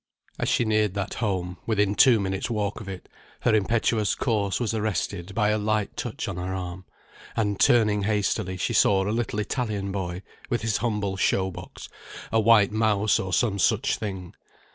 As she neared that home, within two minutes' walk of it, her impetuous course was arrested by a light touch on her arm, and turning hastily, she saw a little Italian boy with his humble show box, a white mouse, or some such thing.